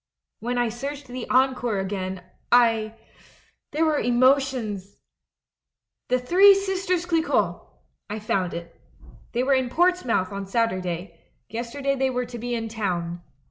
When I searched the Encore again, I There were emotions ! "'The Three Sisters CHcquot'! I found it. They were in Portsmouth on Saturday; yester day they were to be in town.